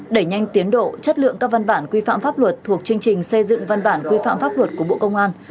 đẩy nhanh tiến độ chất lượng các văn bản quy phạm pháp luật thuộc chương trình xây dựng văn bản quy phạm pháp luật của bộ công an